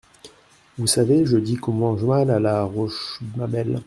Vous savez, je dis qu’on mange mal à la Rochemabelle.